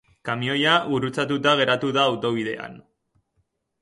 Kamioia gurutzatuta geratu da autobidean.